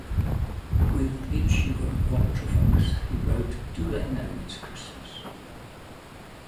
With Midge Ure of Ultravox he wrote Do They Know It's Christmas?